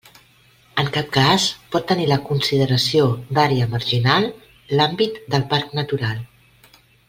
En cap cas pot tenir la consideració d'àrea marginal l'àmbit del parc natural.